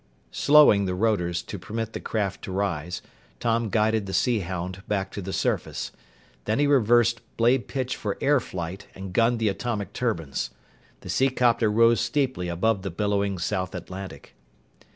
Slowing the rotors to permit the craft to rise, Tom guided the Sea Hound back to the surface. Then he reversed blade pitch for air flight and gunned the atomic turbines. The seacopter rose steeply above the billowing South Atlantic.